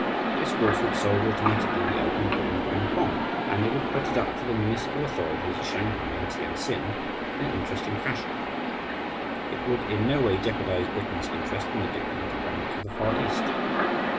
This course would solve automatically the opium problem at Hongkong; and it would put it up to the municipal authorities at Shanghai and Tientsin in an interesting fashion. It would in no way jeopardize Britain's interest in the diplomatic balance of the Far East.